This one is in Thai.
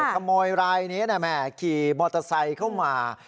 ขโมยรายนี้ขี่มอเตอร์ไซค์เข้ามา